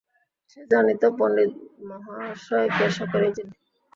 সে জানিত পণ্ডিতমহাশয়কে সকলেই চিনে।